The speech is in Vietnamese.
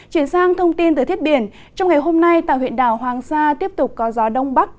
chuyển sang thông tin từ thiết biển trong ngày hôm nay tàu huyện đảo hoàng sa tiếp tục có gió đông bắc